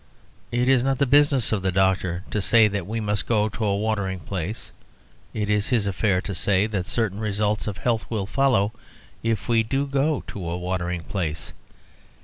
It is not the business of the doctor to say that we must go to a watering place; it is his affair to say that certain results of health will follow if we do go to a watering place.